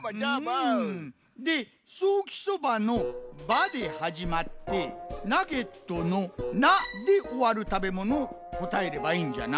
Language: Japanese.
でソーキそばの「ば」ではじまってナゲットの「ナ」でおわる食べ物をこたえればいいんじゃな。